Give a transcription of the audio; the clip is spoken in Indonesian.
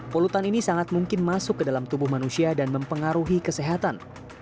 polutan ini sangat mungkin masuk ke dalam tubuh manusia dan mempengaruhi kesehatan